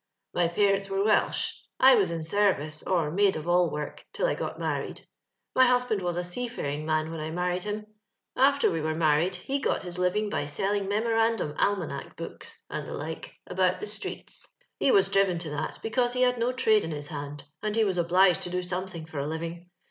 <( My parents were Welsh. I was in service, or maid of all woik, till I got married^. My husband was a seafhring man when I maaried 480 LONDON LABOUR AND THE LONDON POOR, liiin. After we were married, he got his living by seUing xnemorandum almanack books, and the like, aboat the streets. He was driven to that because he had no trade in his hand, and he was obliged to do something for a living.